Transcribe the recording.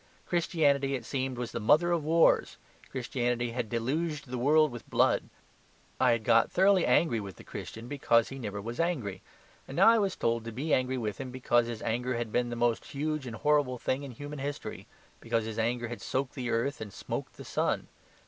Christianity, it seemed, was the mother of wars. Christianity had deluged the world with blood. I had got thoroughly angry with the Christian, because he never was angry. And now I was told to be angry with him because his anger had been the most huge and horrible thing in human history; because his anger had soaked the earth and smoked to the sun.